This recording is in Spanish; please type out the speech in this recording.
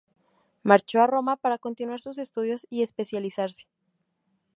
Marchó a Roma para continuar sus estudios y especializarse.